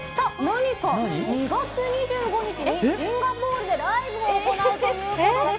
２月２５日にシンガポールでライブを行うということです。